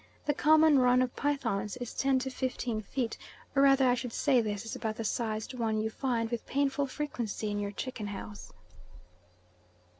The common run of pythons is 10 15 feet, or rather I should say this is about the sized one you find with painful frequency in your chicken house.